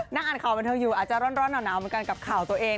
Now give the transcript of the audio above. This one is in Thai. นั่งอ่านข่าวบันเทิงอยู่อาจจะร้อนหนาวเหมือนกันกับข่าวตัวเอง